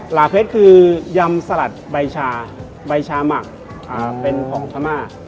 ลาเพชรคือยำสลัดใบชาใบชาหมักเป็นของพม่า